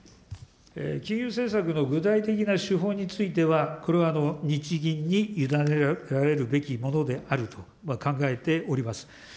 金融政策の具体的な手法については、これは日銀に委ねられるべきものであると考えております。